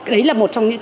đấy là một trong những